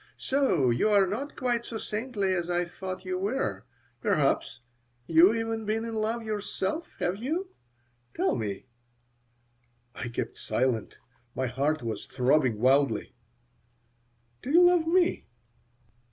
So you are not quite so saintly as I thought you were! Perhaps you have even been in love yourself? Have you? Tell me." I kept silent. My heart was throbbing wildly. "Do you love me?"